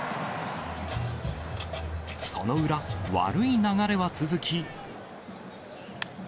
その裏、悪い流れは続き。